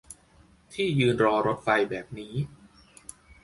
ที่ยืนรอรถไฟแบบนี้